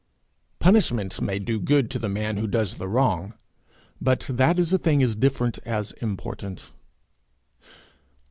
Punishment may do good to the man who does the wrong, but that is a thing as different as important.